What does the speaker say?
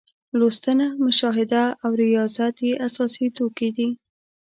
لوستنه، مشاهده او ریاضت یې اساسي توکي دي.